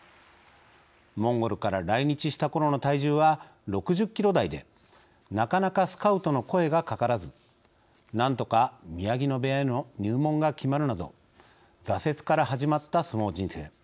モンゴルから来日した頃の体重は６０キロ台でなかなかスカウトの声がかからずなんとか宮城野部屋への入門が決まるなど挫折から始まった相撲人生。